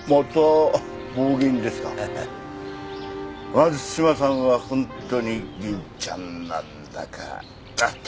松島さんは本当に銀ちゃんなんだから。